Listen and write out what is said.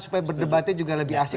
supaya berdebatnya juga lebih asik